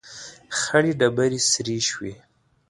، خړې ډبرې سرې شوې.